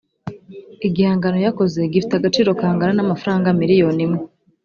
igihangano yakoze gifite agaciro kangana na mafaranga miliyoni imwe